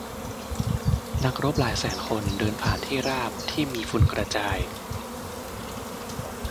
นักรบหลายแสนคนเดินผ่านที่ราบที่มีฝุ่นกระจาย